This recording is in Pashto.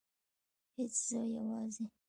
هیڅ زه یوازې